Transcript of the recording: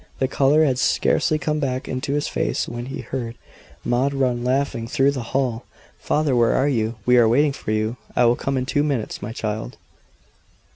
The colour had scarcely come back into his face when he heard Maud run laughing through the hall. "Father, where are you? We are waiting for you." "I will come in two minutes, my child."